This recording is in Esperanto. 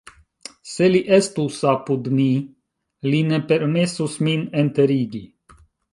Se li estus apud mi, li ne permesus min enterigi.